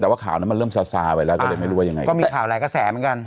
แต่ว่าข่าวนั้นมันเริ่มซาซาไปแล้วก็เลยไม่รู้ว่ายังไงก็มีข่าวหลายกระแสเหมือนกัน